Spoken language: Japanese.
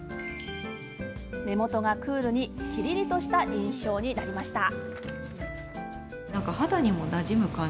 目元がクールにきりりとした印象になりました。